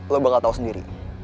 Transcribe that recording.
lo bakal tau sendiri